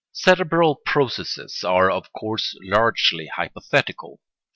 Cerebral processes are of course largely hypothetical.